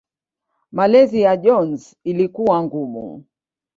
Malezi ya Jones ilikuwa ngumu.